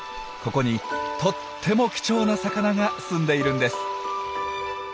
ここにとっても貴重な魚がすんでいるんです。